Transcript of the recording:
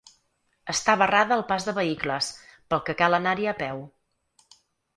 Està barrada al pas de vehicles, pel que cal anar-hi a peu.